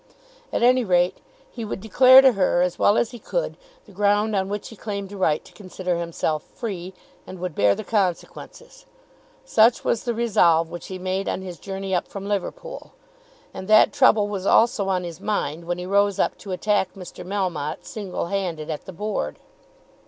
At any rate he would declare to her as well as he could the ground on which he claimed a right to consider himself free, and would bear the consequences. Such was the resolve which he made on his journey up from Liverpool, and that trouble was also on his mind when he rose up to attack Mr. Melmotte single handed at the Board.